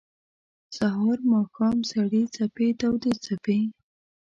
سهار ، ماښام سړې څپې تودي څپې